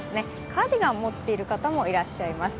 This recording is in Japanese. カーディガン持っている方もいらっしゃいます。